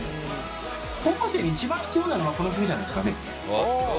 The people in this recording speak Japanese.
高校生に一番必要なのはこの曲じゃないですかね。